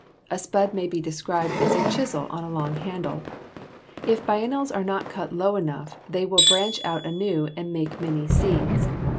A spud may be described as a chisel on a long handle (see Fig. 58). If biennials are not cut low enough they will branch out anew and make many seeds.